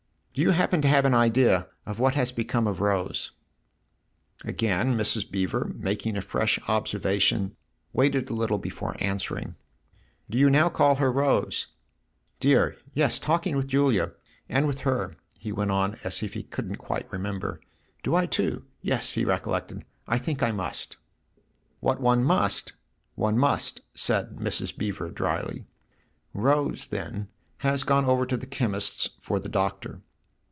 " Do you happen to have an idea of what has become of Rose ?" Again Mrs, Beever, making a fresh observation, 32 THE OTHER HOUSE waited a little before answering. "Do you now call her < Rose '?"" Dear, yes talking with Julia. And with her" he went on as if he couldn't quite remember "do I too? Yes," he recollected, "I think I must." "What one must one must," said Mrs. Beever dryly. "' Rose/ then, has gone over to the chemist's for the Doctor."